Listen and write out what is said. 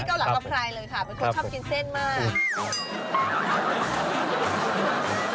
เกาหลังกับใครเลยค่ะเป็นคนชอบกินเส้นมาก